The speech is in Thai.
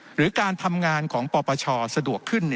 หรือการทำงานของปปชสะดวกขึ้น